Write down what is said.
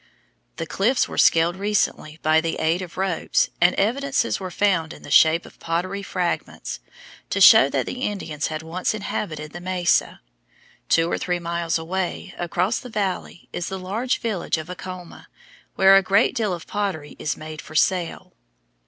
The cliffs were scaled recently by the aid of ropes, and evidences were found in the shape of pottery fragments, to show that the Indians had once inhabited the mesa. Two or three miles away, across the valley, is the large village of Acoma, where a great deal of pottery is made for sale.